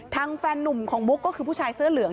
แฟนนุ่มของมุกก็คือผู้ชายเสื้อเหลือง